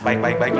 baik baik baik